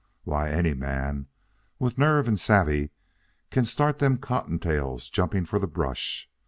Why, any man, with nerve and savvee, can start them cottontails jumping for the brush.